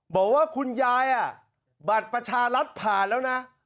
บอกว่าคุณยายบัตรประชารัฐผ่านแล้วนะ